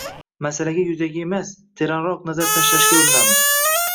Masalaga yuzaki emas, teranroq nazar tashlashga urinamiz.